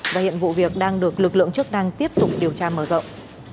và hiện vụ việc đang được lực lượng chức năng tiếp tục điều tra mở rộng